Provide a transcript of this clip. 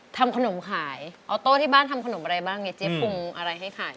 ทำขนมขายออโต้ที่บ้านทำขนมอะไรบ้างเนี่ยเจ๊ปรุงอะไรให้ขาย